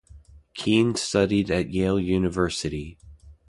Keene studied at Yale University.